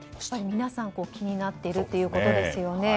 皆さん気になっているということですよね。